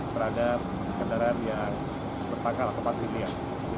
terhadap kendaraan yang bertangkal kepadu milik